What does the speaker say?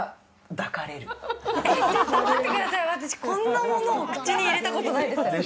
私、こんなものを口に入れたことないです。